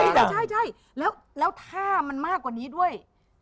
ใช่แล้วถ้ามันมากกว่านี้ด้วย